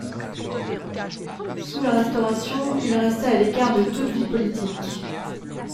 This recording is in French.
Sous la Restauration, il resta à l'écart de toute vie politique.